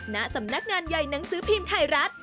ณสำนักงานใหญ่หนังสือพิมพ์ไทยรัฐ